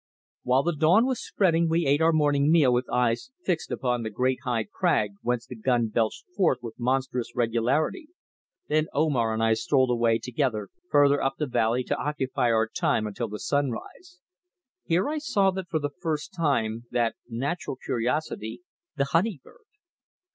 While the dawn was spreading we ate our morning meal with eyes fixed upon the great high crag whence the gun belched forth with monotonous regularity; then Omar and I strolled away together further up the valley to occupy our time until the sun rise. Here I saw for the first time that natural curiosity, the honey bird.